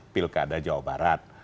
pilkada jawa barat